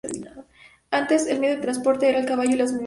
Antes, el medio de transporte era el caballo y las mulas.